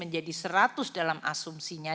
jadi seratus dalam asumsinya